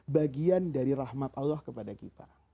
bagian dari rahmat allah kepada kita